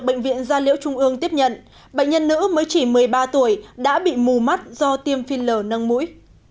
bệnh viện gia liễu trung ương tiếp nhận bệnh nhân nữ mới chỉ một mươi ba tuổi đã bị mù mắt do tiêm phi lờ nâng mũi